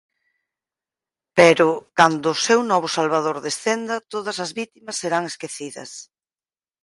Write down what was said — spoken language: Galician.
Pero, cando o seu novo salvador descenda, todas as vítimas serán esquecidas.